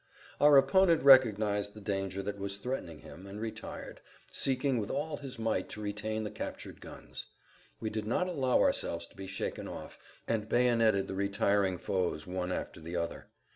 Our opponent recognized the danger that was threatening him and retired, seeking with all his might to retain the captured guns. We did not allow ourselves to be shaken off, and bayoneted the retiring foes one after the other.